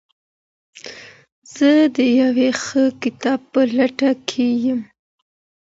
زه د یو ښه کتاب په لټه کي یم.